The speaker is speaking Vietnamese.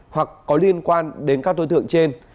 hoặc có liên quan đến các đối tượng trên